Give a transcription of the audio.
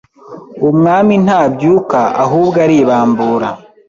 Umwami Ntabyuka ahubwo Aribambura